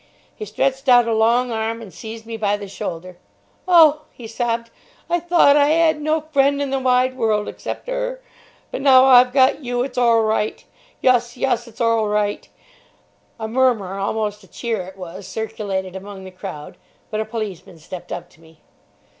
He stretched out a long arm and seized me by the shoulder. "Oh," he sobbed, "I thought I 'ad no friend in the wide world except 'er; but now I've got yew it's orlright. Yus, yus, it's orlright." A murmur, almost a cheer it was, circulated among the crowd. But a policeman stepped up to me.